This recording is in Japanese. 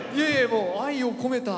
もう愛を込めた。